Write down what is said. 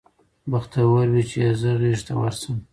بختور وي چي یې زه غیږي ته ورسم